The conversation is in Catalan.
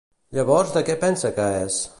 Llavors de què pensa que és?